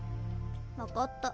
わかった。